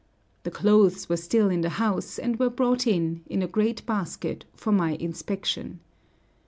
The clothes were still in the house, and were brought in, in a great basket, for my inspection.